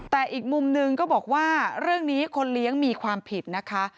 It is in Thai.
แต่อีกมุมหนึ่งก็บอกว่าเรื่องนี้คนเลี้ยงมีความผิดนะคะ